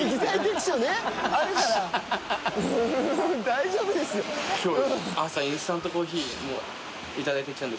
大丈夫ですようん。